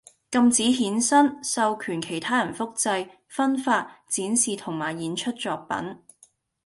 禁止衍生，授權其他人複製，分發，展示同埋演出作品